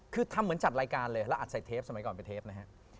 คือทำเหมือนจัดรายการเลยแล้วอัดใส่เทปสมัยก่อนเป็นเทปนะฮะ